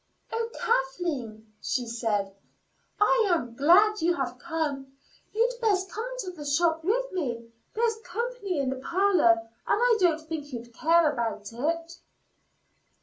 "Oh, Kathleen," she said, "I am glad you have come. You'd best come into the shop with me; there's company in the parlor, and I don't think you'd care about it."